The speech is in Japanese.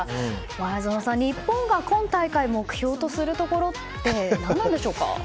前園さん、日本が今大会目標とするところって何でしょうか。